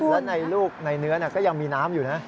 และในลูกในเนื้อก็ยังมีน้ำอยู่นะ